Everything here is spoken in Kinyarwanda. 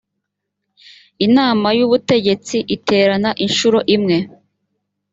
inama y ubutegetsi iterana inshuro imwe